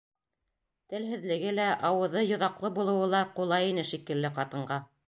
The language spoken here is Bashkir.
Телһеҙлеге лә, ауыҙы «йоҙаҡлы булыуы» ла ҡулай ине, шикелле, ҡатынға.